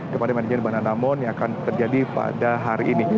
kepada manajemen bank danamon yang akan terjadi pada hari ini